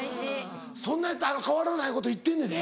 そんなに変わらないこと言ってんのやで。